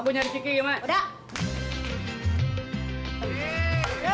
gua mau ga